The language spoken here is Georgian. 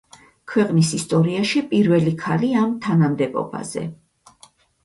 ქვეყნის ისტორიაში პირველი ქალი ამ თანამდებობაზე.